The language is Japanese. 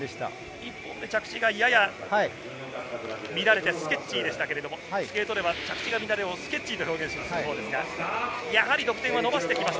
１本目着地がやや乱れて、スケッチーでしたが、スケートボードでは着地の乱れをスケッチーと表現します。